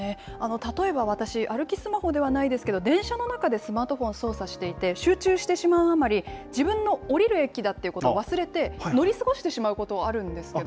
例えば、私、歩きスマホではないですけど、電車の中でスマートフォン操作していて、集中してしまうあまり、自分の降りる駅だってことを忘れて、乗り過ごしてしまうことあるんですけど。